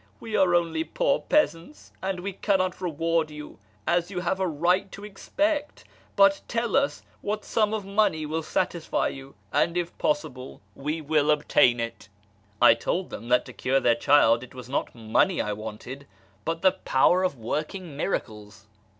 We are only poor peasants, and we cannot reward you as you have a right to expect, but tell us what sum of money will satisfy you, and if possible we wall obtain it." I told them that to cure their child it was not money I wanted, but the power of working miracles.